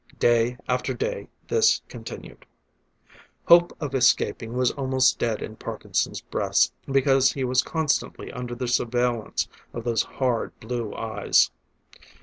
Day after day this continued. Hope of escaping was almost dead in Parkinson's breast, because he was constantly under the surveillance of those hard, blue eyes.